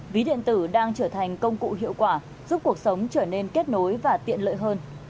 ví điện tử đang trở thành công cụ hiệu quả giúp cuộc sống trở nên kết nối và tiện lợi hơn